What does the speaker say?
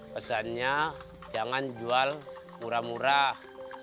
pesannya jangan jual murah murah